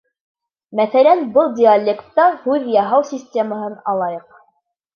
Мәҫәлән, был диалектта һүҙ яһау системаһын алайыҡ.